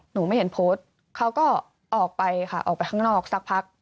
หนูไม่เห็นโพสต์เขาก็ออกไปค่ะออกไปข้างนอกสักพัก